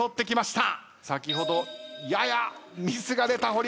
先ほどややミスが出た堀内さん。